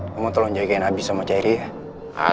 kamu tolong jagain habis sama jairi ya